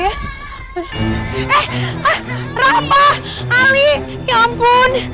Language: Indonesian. ah rampah ali ya ampun